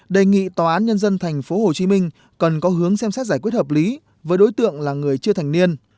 đề nghị tòa án nhân dân thành phố hồ chí minh cần có hướng xem xét giải quyết hợp lý với đối tượng là người chưa thành niên